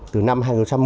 từ năm hai nghìn một mươi